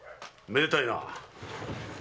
めでたいな。